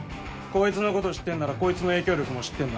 こいつのこと知ってんならこいつの影響力も知ってんだろ。